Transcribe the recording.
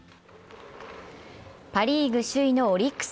パ・リーグ首位のオリックス。